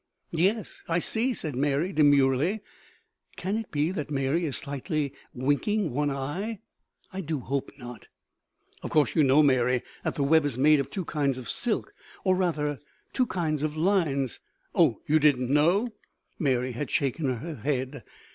"Yes, I see," said Mary, demurely, and can it be that Mary is slightly winking one eye? I do hope not. "Of course you know, Mary, that the web is made of two kinds of silk or rather two kinds of lines? Oh, you didn't know?" Mary has shaken her head.